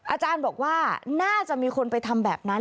อาจารย์บอกว่าน่าจะมีคนไปทำแบบนั้น